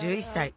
１１歳。